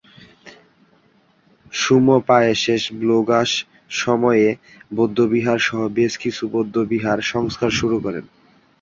সুম-পা-য়ে-শেস-ব্লো-গ্রোস সম-য়ে বৌদ্ধবিহার সহ বেশ কিছু বৌদ্ধবিহার সংস্কার শুরু করেন।